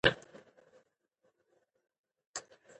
بې اخلاقه چلند د ټولنې ګډوډۍ، ستونزو او شخړو لوی لامل دی.